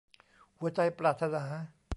หัวใจปรารถนา